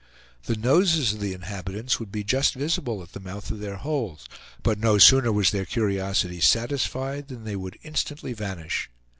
The noses of the inhabitants would be just visible at the mouth of their holes, but no sooner was their curiosity satisfied than they would instantly vanish.